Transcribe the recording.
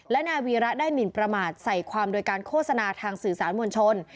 และนายวีระได้หมินประมาทใส่ความโดยการโฆษณาทางสื่อสารมวลชน